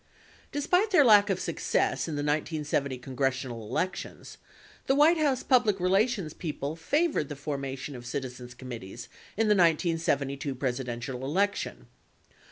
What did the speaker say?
74 Despite their lack of success in the 1970 congressional elections, the White House public relations people favored the formation of citizens committees in the 1972 Presidential election.